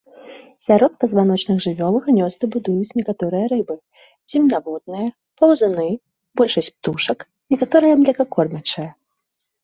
Сярод пазваночных жывёл гнёзды будуюць некаторыя рыбы, земнаводныя, паўзуны, большасць птушак, некаторыя млекакормячыя.